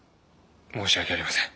申し訳ありません。